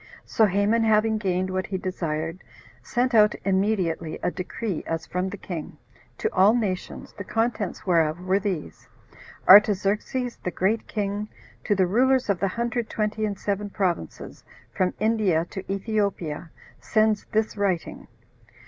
So Haman, having gained what he desired, sent out immediately a decree, as from the king, to all nations, the contents whereof were these: "Artaxerxes, the great king, to the rulers of the hundred twenty and seven provinces, from India to Ethiopia, sends this writing.